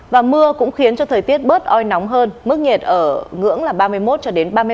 và mưa cũng khiến cho thời tiết bớt oi nóng hơn mức nhiệt ở ngưỡng là ba mươi một cho đến ba mươi năm